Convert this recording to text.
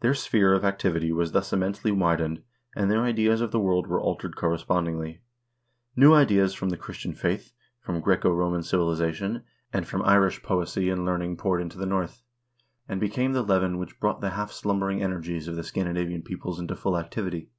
Their sphere of activity was thus immensely widened, and their ideas of the world were altered correspondingly. New ideas from the Chris tian faith, from Graeco Roman civilization, and from Irish poesy THE VIKING PERIOD 71 and learning poured into the North, and became the leaven which brought the half slumbering energies of the Scandinavian peoples into full activity.